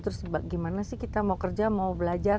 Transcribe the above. terus gimana sih kita mau kerja mau belajar